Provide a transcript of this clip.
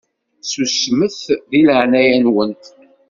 Susmet di leɛnaya-nwen!